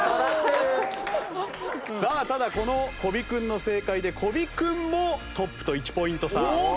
さあただこの小尾君の正解で小尾君もトップと１ポイント差。